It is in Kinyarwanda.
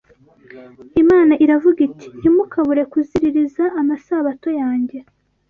Imana iravuga iti: “Ntimukabure kuziririza amasabato yanjye